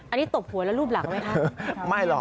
อันนี้ตบหัวแล้วรูปหลังไหมคะ